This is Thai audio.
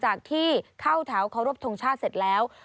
จากที่เข้าเถาพรูปทรงชาติเสร็จแล้ว